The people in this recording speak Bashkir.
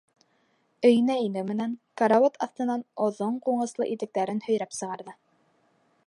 Өйөнә инеү менән, карауат аҫтынан оҙон ҡуңыслы итектәрен һөйрәп сығарҙы.